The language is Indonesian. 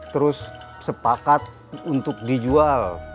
terus sepakat untuk dijual